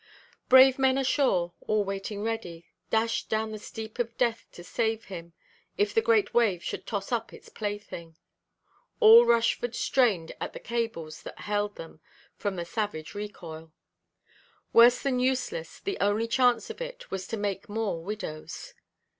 Brave men ashore, all waiting ready, dashed down the steep of death to save him, if the great wave should toss up its plaything. All Rushford strained at the cables that held them from the savage recoil. Worse than useless; the only chance of it was to make more widows.